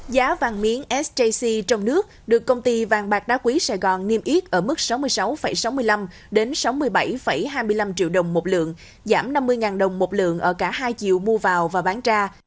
giá vàng miếng sjc trong nước được công ty vàng bạc đá quý sài gòn niêm yết ở mức sáu mươi sáu sáu mươi năm sáu mươi bảy hai mươi năm triệu đồng một lượng giảm năm mươi đồng một lượng ở cả hai triệu mua vào và bán ra